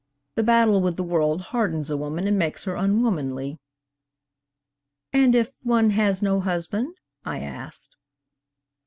The battle with the world hardens a woman and makes her unwomanly.' 'And if one has no husband?' I asked.